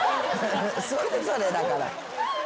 それぞれだから。